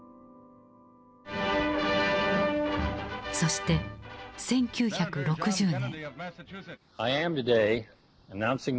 そして１９６０年。